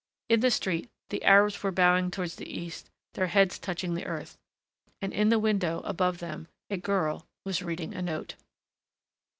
In the street the Arabs were bowing towards the east, their heads touching the earth. And in the window above them a girl was reading a note.